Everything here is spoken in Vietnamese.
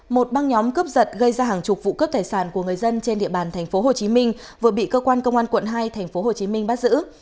một băng nhóm cướp giật gây ra hàng chục vụ cướp tài sản của người dân trên địa bàn tp hcm vừa bị cơ quan công an quận hai tp hcm bắt giữ